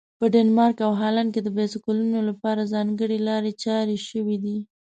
په ډنمارک او هالند کې د بایسکلونو لپاره ځانګړي لارې چارې شوي دي.